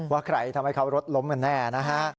ว่าใครทำให้เขารถล้มกันแน่นะฮะ